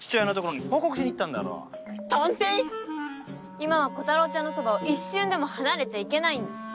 今はコタローちゃんのそばを一瞬でも離れちゃいけないんです。